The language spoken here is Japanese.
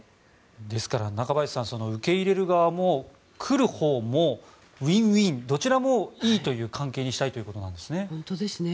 ですから中林さん受け入れる側も来るほうもウィンウィンどちらもいいという関係にしたいということなんですね。